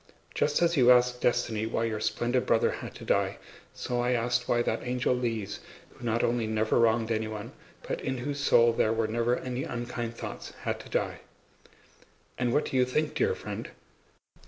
Just as you ask destiny why your splendid brother had to die, so I asked why that angel Lise, who not only never wronged anyone, but in whose soul there were never any unkind thoughts, had to die. And what do you think, dear friend?